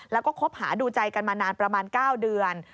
แล้วก็คบหาดูใจกันมานานประมาณ๙เดือน